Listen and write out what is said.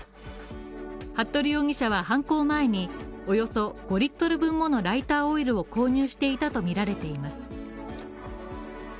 服部容疑者は犯行前に、およそ５Ｌ分のライターオイルを購入していたとみられています。